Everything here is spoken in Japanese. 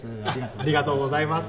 ありがとうございます。